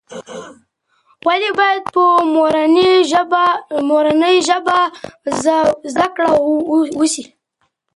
ولې باید په مورنۍ ژبه زده کړه وسي؟